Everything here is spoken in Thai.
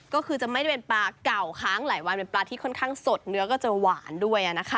ก็คือจะไม่ได้เป็นปลาเก่าค้างหลายวันเป็นปลาที่ค่อนข้างสดเนื้อก็จะหวานด้วยนะคะ